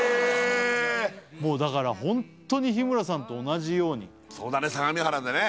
もうだから本当に日村さんと同じようにそうだね